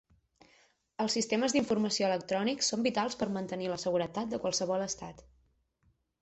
Els sistemes d'informació electrònics són vitals per mantenir la seguretat de qualsevol estat.